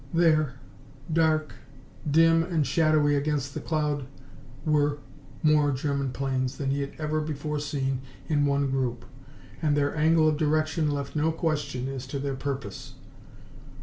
There, dark, dim and shadowy against the cloud were more German planes than he had ever before seen in one group, and their angle of direction left no question as to their purpose.